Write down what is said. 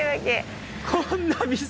こんなに。